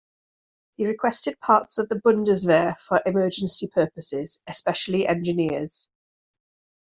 He requested parts of the Bundeswehr for emergency purposes, especially engineers.